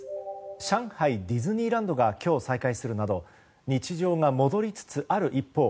上海ディズニーランドが今日再開するなど日常が戻りつつある一方